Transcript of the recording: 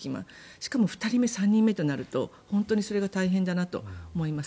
しかも、２人目、３人目となると本当にそれが大変だなと思います。